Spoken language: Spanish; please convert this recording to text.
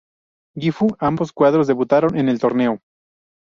Gifu; ambos cuadros debutaron en el torneo.